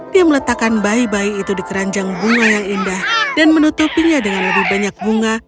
dia meletakkan bayi bayi itu di keranjang bunga yang indah dan menutupinya dengan lebih banyak bunga